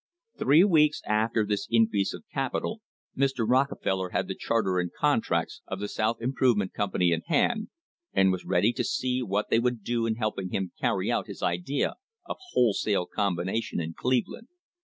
Three weeks after this increase of capital Mr. Rockefeller had the charter and contracts of the South Improvement Company in hand, and was ready to see what they would do in helping him carry out his idea of wholesale combination in Cleveland.